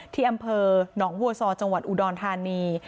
ที่อำเภอหนองวัวซอจังหวัดอุดรธานี